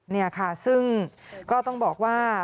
นี่ค่ะซึ่งก็ต้องบอกว่า